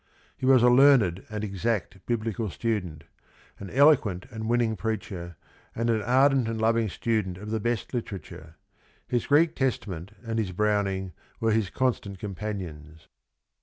He was a learned and exact biblical student, an eloquent and win ning preacher, and an ardent and loving student of the best literature. His Greek Testament and his Browning were constant companions.